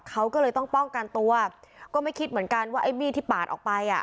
เขาก็เลยต้องป้องกันตัวก็ไม่คิดเหมือนกันว่าไอ้มีดที่ปาดออกไปอ่ะ